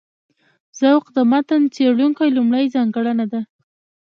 ذوق د متن څېړونکي لومړۍ ځانګړنه ده.